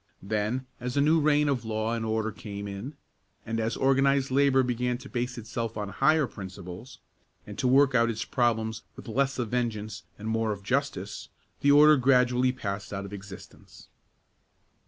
Then, as a new reign of law and order came in, and as organized labor began to base itself on higher principles, and to work out its problem with less of vengeance and more of justice, the order gradually passed out of existence.